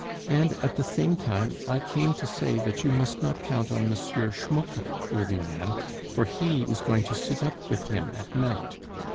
And, at the same time, I came to say that you must not count on M. Schmucke, worthy man, for he is going to sit up with him at night.